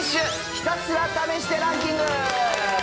ひたすら試してランキング。